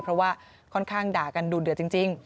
เพราะว่าค่อนข้างด่ากันดูดเดือดจริง